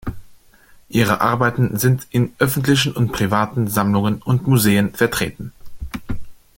Ihre Arbeiten sind in öffentlichen und privaten Sammlungen und Museen vertreten.